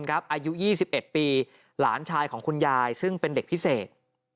ครับอายุยี่สิบเอ็ดปีหลานชายของคุณยายซึ่งเป็นเด็กพิเศษ